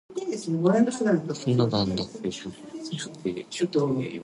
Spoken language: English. For the next Test in Sydney, Hilditch was named as Australian vice-captain.